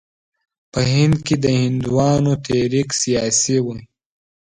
په هند کې د هندوانو تحریک سیاسي وو.